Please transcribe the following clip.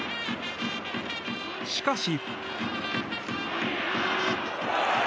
しかし。